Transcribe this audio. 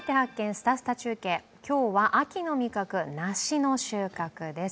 すたすた中継」、今日は秋の味覚、梨の収穫です。